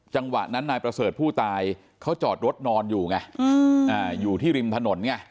จังหวะนั้นนายประเสริฐผู้ตายเขาจอดรถนอนอยู่ไงอยู่ที่ริมถนนไง